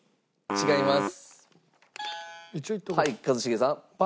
違います。